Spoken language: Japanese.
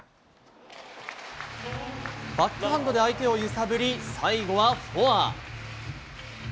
バックハンドで相手を揺さぶり最後はフォア。